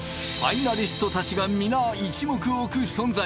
ファイナリストたちが皆一目置く存在